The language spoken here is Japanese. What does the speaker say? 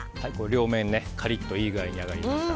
両面カリッといい具合に揚がりました。